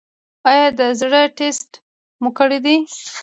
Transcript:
ایا د زړه ټسټ مو کړی دی؟